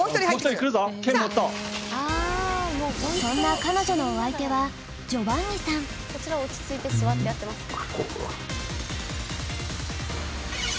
そんな彼女のお相手はこちら落ち着いて座ってやってますね。